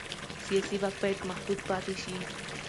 سیاسي واک باید محدود پاتې شي